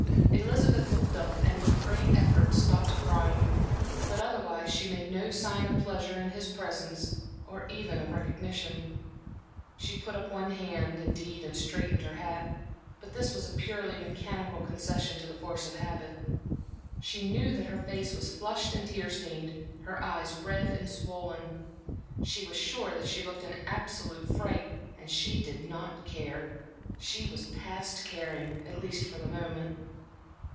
Elizabeth looked up and with great effort, stopped crying; but otherwise she made no sign of pleasure in his presence or even of recognition. She put up one hand, indeed, and straightened her hat, but this was a purely mechanical concession to the force of habit. She knew that her face was flushed and tear stained, her eyes red and swollen; she was sure that she looked an absolute fright, and she did not care. She was past caring, at least for the moment.